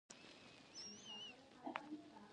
رسۍ د زغم نښه ده.